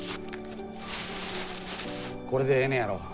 これでええねやろ。